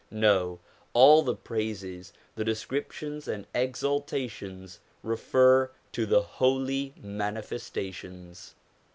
No ; all the praises, the descriptions and exaltations refer to the Holy Manifestations.